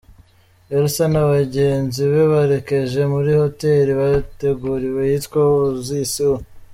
Elsa na bagenzi be berekeje muri hoteli bateguriwe yitwa Oasis O.